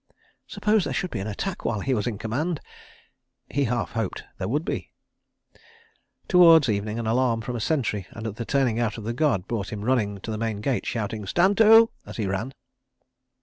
Suppose there should be an attack while he was in command! He half hoped there would be. ... Towards evening an alarm from a sentry and the turning out of the guard brought him running to the main gate, shouting "Stand to!" as he ran.